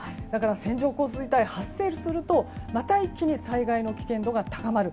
線状降水帯が発生するとまた一気に災害の危険度が高まる。